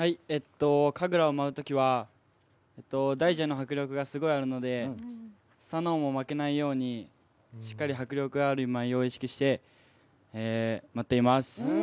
神楽を舞うときは大蛇の迫力がすごいあるのでスサノオも負けないようにしっかり迫力のある舞を意識して舞っています。